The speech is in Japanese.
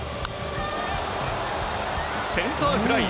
センターフライ。